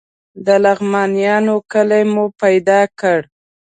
د لغمانیانو کلی مو پیدا کړ.